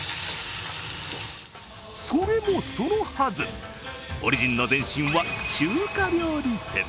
それもそのはず、オリジンの前身は中華料理店。